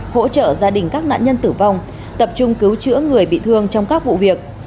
hỗ trợ gia đình các nạn nhân tử vong tập trung cứu chữa người bị thương trong các vụ việc